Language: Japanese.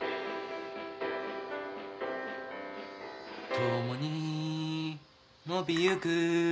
「ともに伸びゆく」